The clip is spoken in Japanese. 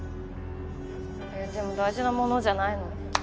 えでも大事なものじゃないの？